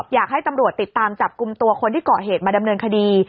อยากให้ตำรวจติดตามจับกลุ่มตัวคนที่เกาะเหตุมาดำเนินคดี